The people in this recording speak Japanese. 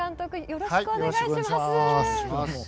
よろしくお願いします。